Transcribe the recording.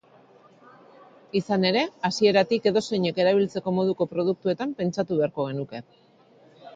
Izan ere, hasieratik, edozeinek erabiltzeko moduko produktuetan pentsatu beharko genuke.